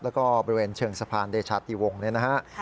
แล้วก็บริเวณเชิงสะพานเดชาติวงศ์เนี่ยนะฮะ